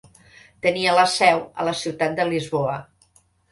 Tenia la seu a la ciutat de Lisboa.